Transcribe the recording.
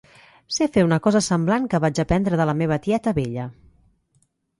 Sé fer una cosa semblant que vaig aprendre de la meva tieta vella.